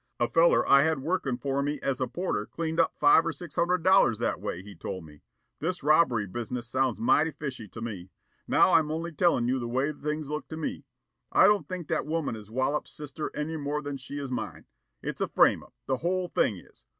A feller I had workin' for me as a porter cleaned up five or six hundred dollars that way, he told me. This robbery business sounds mighty fishy to me. Now I'm only tellin' you the way the thing looks to me. I don't think that woman is Wollop's sister any more than she is mine. It's a frame up, the whole thing is.